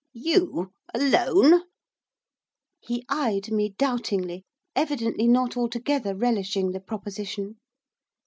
'You? Alone?' He eyed me doubtingly, evidently not altogether relishing the proposition.